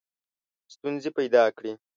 ستونزي پیدا کړي.